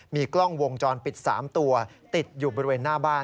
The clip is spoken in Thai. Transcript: มีกล้องวงจรปิด๓ตัวติดอยู่บริเวณหน้าบ้าน